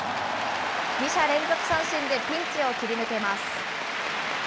２者連続三振でピンチを切り抜けます。